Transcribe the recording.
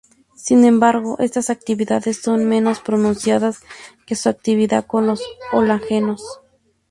Sin embargo estas actividades son menos pronunciadas que su actividad con los halógenos.